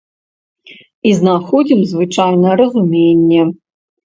І знаходзім звычайна разуменне.